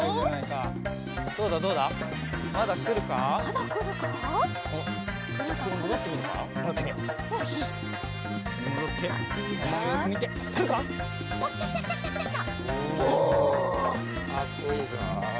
かっこいいぞ。